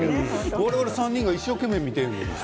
我々３人が一生懸命、見ているのにさ